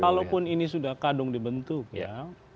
kalaupun ini sudah kadung dibentuk ya